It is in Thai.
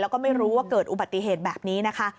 แล้วก็ไม่รู้ว่าเกิดอุบัติเหตุแบบนี้นะคะ